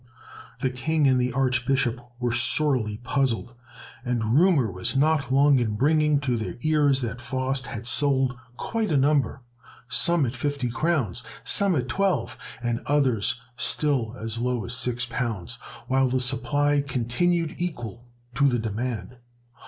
The King and the Archbishop were sorely puzzled; and rumor was not long in bringing to their ears that Faust had sold quite a number, some at fifty crowns, some at twelve, and others still as low as six pounds, while the supply continued equal to the demand.